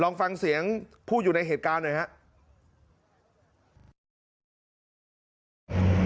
ลองฟังเสียงผู้อยู่ในเหตุการณ์หน่อยครับ